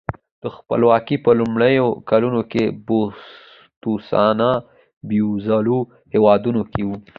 د خپلواکۍ په لومړیو کلونو کې بوتسوانا بېوزلو هېوادونو کې و.